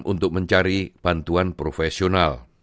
untuk mencari bantuan profesional